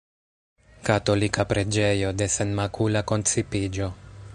Katolika preĝejo de Senmakula koncipiĝo.